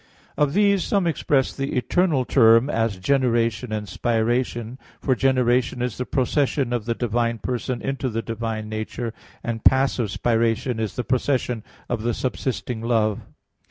Of these some express the eternal term, as "generation" and "spiration"; for generation is the procession of the divine person into the divine nature, and passive spiration is the procession of the subsisting love.